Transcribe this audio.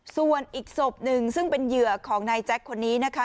ส่วนอีกศพหนึ่งซึ่งเป็นเหยื่อของนายแจ็คคนนี้นะคะ